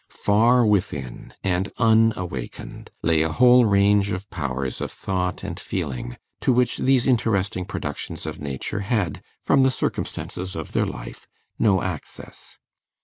Far within, and unawakened, lay a whole range of powers of thought and feeling, to which these interesting productions of nature had, from the circumstances of their life, no access.